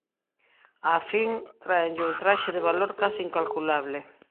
Á fin, tráenlle un traxe de valor case incalculable.